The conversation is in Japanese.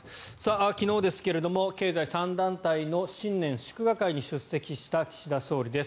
昨日ですが経済３団体の新年祝賀会に出席した岸田総理です。